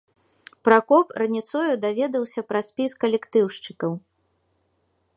Пракоп раніцою даведаўся пра спіс калектыўшчыкаў.